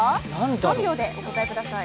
３秒でお答えください。